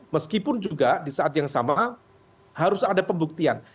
meskipun juga di saat yang sama harus ada pembuktian